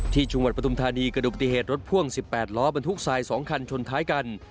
จังหวัดปฐุมธานีกระดูกปฏิเหตุรถพ่วง๑๘ล้อบรรทุกทราย๒คันชนท้ายกัน